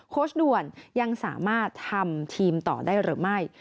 ด่วนยังสามารถทำทีมต่อได้หรือไม่